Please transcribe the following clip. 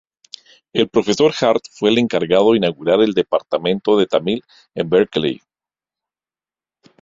El Profesor Hart fue el encargado de inaugurar el Departamento de Tamil en Berkeley.